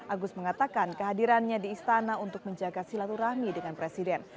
agus mengatakan kehadirannya di istana untuk menjaga silaturahmi dengan presiden